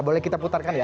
boleh kita putarkan ya